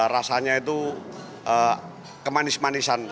rasanya itu kemanis manisan